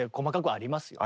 ありますよね。